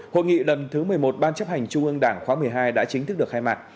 hội nghị lần thứ một mươi một ban chấp hành trung ương đảng khóa một mươi hai đã chính thức được khai mạc